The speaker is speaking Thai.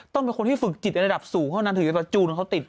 ต้องเป็นคนที่ฝึกจิตในระดับสูงเขานั้นถืออยู่ในประจูนที่เขาติด